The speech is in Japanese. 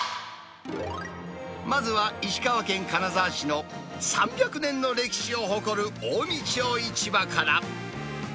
まずは石川県金沢市の３００年の歴史を誇る近江町市場から。